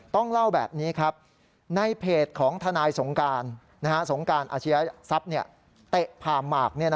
ต้องเล่าแบบนี้ครับในเพจของทนายสงการสงการอาชียทรัพย์เตะผ่าหมาก